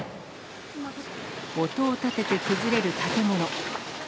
音を立てて崩れる建物。